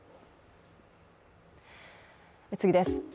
次です。